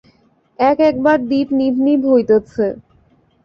এক একবার দীপ নিভ নিভ হইতেছে।